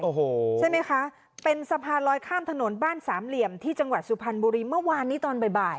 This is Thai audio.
โอ้โหใช่ไหมคะเป็นสะพานลอยข้ามถนนบ้านสามเหลี่ยมที่จังหวัดสุพรรณบุรีเมื่อวานนี้ตอนบ่าย